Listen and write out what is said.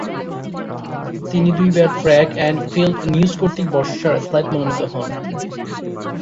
তিনি দুইবার track and field news কর্তৃক বর্ষসেরা অ্যাথলেট মনোনীত হন।